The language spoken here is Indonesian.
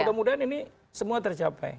mudah mudahan ini semua tercapai